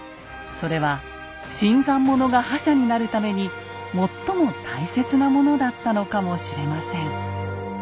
それは新参者が覇者になるために最も大切なものだったのかもしれません。